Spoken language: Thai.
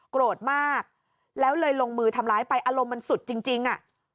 โกรธมากแล้วเลยลงมือทำร้ายไปอารมณ์มันสุดจริง